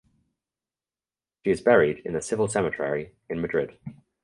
She is buried in the Civil Cemetery in Madrid.